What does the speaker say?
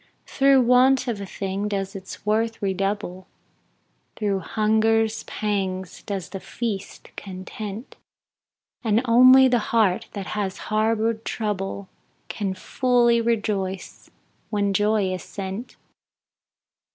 Through want of a thing does its worth redouble, Through hunger's pangs does the feast content, And only the heart that has harbored trouble, Can fully rejoice when joy is sent.